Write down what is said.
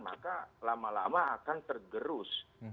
maka lama lama akan tergerus